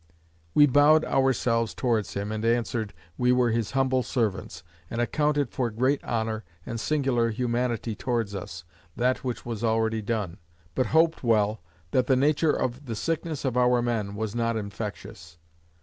We bowed ourselves towards him, and answered, "We were his humble servants; and accounted for great honour, and singular humanity towards us, that which was already done; but hoped well, that the nature of the sickness of our men was not infectious."